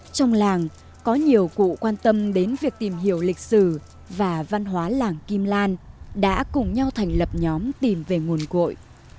trong làng có nhiều cụ quan tâm đến việc tìm hiểu lịch sử và văn hóa làng kim lan đã cùng nhau thành lập nhóm tìm về nguồn cội